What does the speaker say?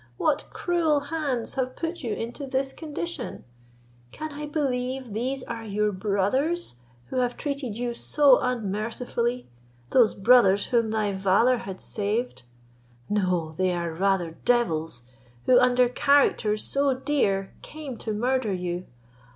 What cruel hands have put you into this condition? Can I believe these are your brothers who have treated you so unmercifully, those brothers whom thy valour had saved? No, they are rather devils, who under characters so dear came to murder you.